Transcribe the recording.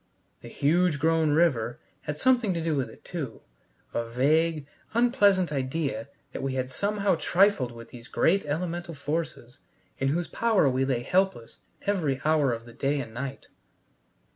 The huge grown river had something to do with it too a vague, unpleasant idea that we had somehow trifled with these great elemental forces in whose power we lay helpless every hour of the day and night.